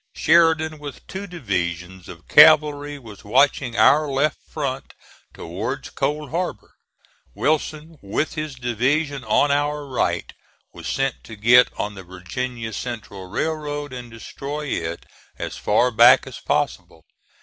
Sheridan with two divisions of cavalry was watching our left front towards Cold Harbor. Wilson with his division on our right was sent to get on the Virginia Central Railroad and destroy it as far back as possible.